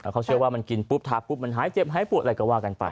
เขาเชื่อว่ามันกินปุ๊บทาปุ๊บมันหายเจ็บหายปวดอะไรก็ว่ากันไป